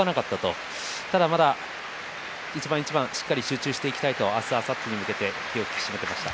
ここから一番一番しっかり集中していきたいと明日、あさってに向けて気を引き締めていました。